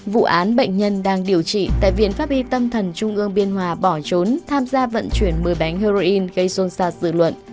vụ án bệnh nhân đang điều trị tại viện pháp y tâm thần trung ương biên hòa bỏ trốn tham gia vận chuyển một mươi bánh heroin gây xôn xa dự luận